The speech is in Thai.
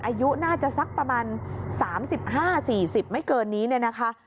อายุน่าจะสักประมาณ๓๕๔๐ไม่เกินนี้เนี่ยนะคะ